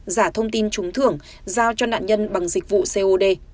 giả thông tin trúng thưởng giao cho nạn nhân bằng dịch vụ cod